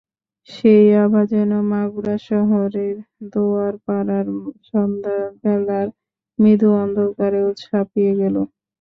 সেই আভা যেন মাগুরা শহরের দোয়ারপাড়ার সন্ধ্যা বেলার মৃদু অন্ধকারকেও ছাপিয়ে গেল।